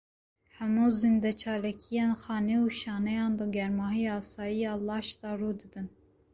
Hemû zîndeçalakiyên xane û şaneyan, di germahiya asayî ya laş de rû didin.